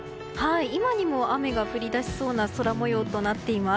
今にも雨が降り出しそうな空模様となっています。